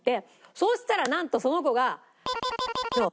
そしたらなんとその子が。